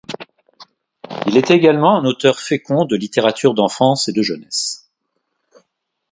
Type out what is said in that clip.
Il est également un auteur fécond de littérature d'enfance et de jeunesse.